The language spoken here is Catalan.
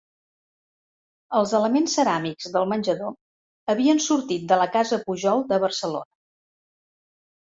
Els elements ceràmics del menjador havien sortit de la casa Pujol de Barcelona.